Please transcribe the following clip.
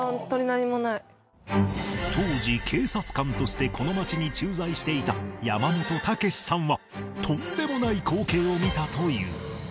当時警察官としてこの町に駐在していた山本健さんはとんでもない光景を見たという